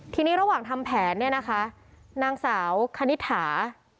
ทีนี้ระหว่างทำแผนเนี่ยนะคะนางสาวคณิตถา